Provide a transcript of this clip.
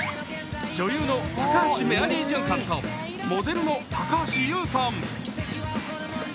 女優の高橋メアリージュンさんとモデルの高橋ユウさん。